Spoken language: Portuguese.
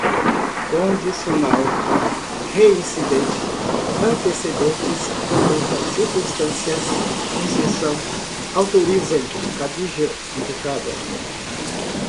condicional, reincidente, antecedentes, conduta, circunstâncias, concessão, autorizem, cabível, indicada